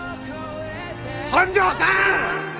本庄さん！